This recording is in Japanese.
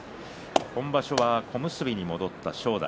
今場所は小結に戻った正代。